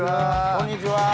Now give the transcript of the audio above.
こんにちは。